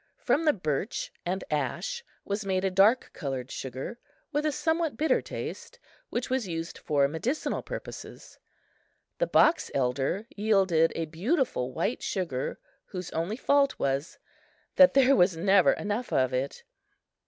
From the birch and ash was made a dark colored sugar, with a somewhat bitter taste, which was used for medicinal purposes. The box elder yielded a beautiful white sugar, whose only fault was that there was never enough of it!